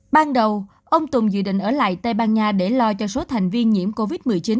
ban đầu ông tùng dự định ở lại tây ban nha để lo cho số thành viên nhiễm covid một mươi chín